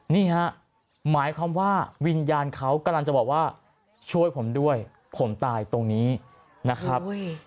นี่ฮะหมายความว่าวิญญาณเขากำลังจะบอกว่าช่วยผมด้วยผมตายตรงนี้นะครับ